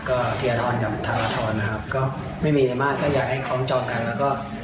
ก็คลอดกับมนุษย์ก็อยากให้น้องแข็งแรงไวครับ